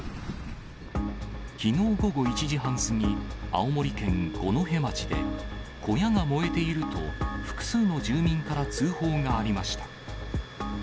きのう午後１時半過ぎ、青森県五戸町で、小屋が燃えていると、複数の住民から通報がありました。